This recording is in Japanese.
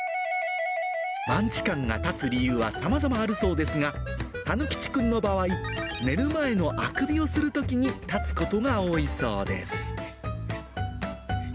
マンチカンが立つ理由はさまざまあるそうですが、たぬ吉くんの場合、寝る前のあくびをするときに立つことが多いそうです。